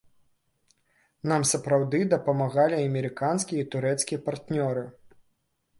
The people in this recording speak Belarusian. Нам сапраўды дапамагалі амерыканскія і турэцкія партнёры.